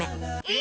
え？